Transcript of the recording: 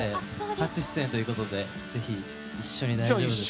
初出演ということでぜひ一緒に大丈夫ですか？